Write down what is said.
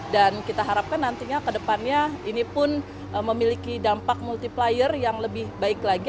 dan kita harapkan nantinya ke depannya ini pun memiliki dampak multiplier yang lebih baik lagi